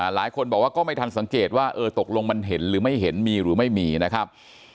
หลายคนบอกว่าก็ไม่ทันสังเกตว่าเออตกลงมันเห็นหรือไม่เห็นมีหรือไม่มีนะครับ